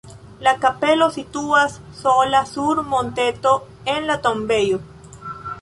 La kapelo situas sola sur monteto en la tombejo.